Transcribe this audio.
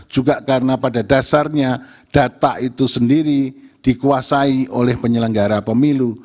juga karena pada dasarnya data itu sendiri dikuasai oleh penyelenggara pemilu